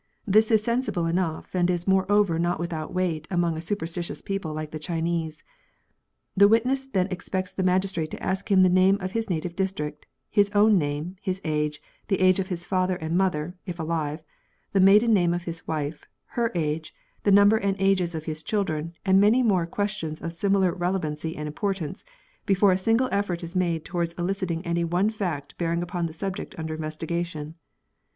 This is sensible enough, and is more over not without weight among a superstitious people like the Chinese. The witness then expects the magistrate to ask him the name of his native district, his own name, his age, the age of his father and mother (if alive), the maiden name of his wife, her age, the number and the ages of his children, and many more questions of similar relevancy and importance, before a single effort is made towards eliciting any one fact bearing upon the suljject under investigation.